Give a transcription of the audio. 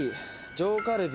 上カルビ。